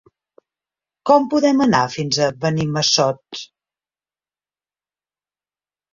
Com podem anar fins a Benimassot?